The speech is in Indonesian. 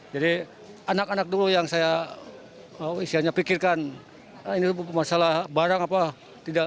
jadi anak anak dulu yang saya isianya pikirkan ini masalah barang apa tidak